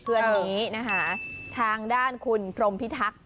เพื่อนนี้นะคะทางด้านคุณพรมพิทักษ์